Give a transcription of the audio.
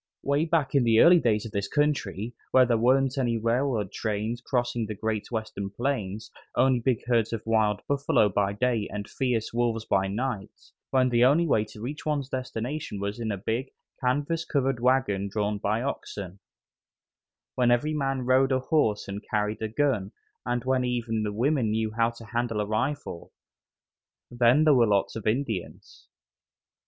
'Way back in the early days of this country, when there weren't any railroad trains crossing the great Western plains, only big herds of wild buffalo by day and fierce wolves by night; when the only way to reach one's destination was in a big, canvas covered wagon drawn by oxen; when every man rode a horse and carried a gun, and when even the women knew how to handle a rifle then there were lots of Indians.